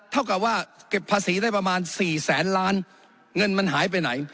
เท่ากับว่าเก็บภาษีได้ประมาณ๔แสนล้านเงินมันหายไปไหน